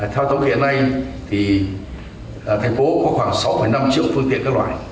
theo tổng kiện này thành phố có khoảng sáu năm triệu phương tiện các loại